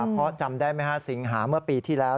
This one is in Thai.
เพราะจำได้ไหมฮะสิงหาเมื่อปีที่แล้ว